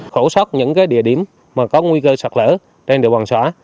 khổ sót những địa điểm có nguy cơ sạc lỡ đền địa bàn xóa